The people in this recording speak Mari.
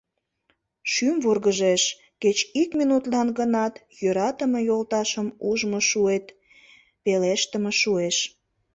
Шӱм вургыжеш, кеч ик минутлан гынат, йӧратыме йолташым ужмо шуэт, пелештыме шуэш.